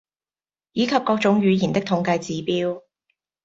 以及各種語言的統計指標